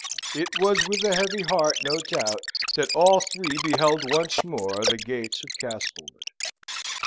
It was with a heavy heart, no doubt, that all three beheld once more the gates of Castlewood.